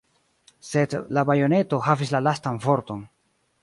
Sed la bajoneto havis la lastan vorton.